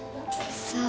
さあ。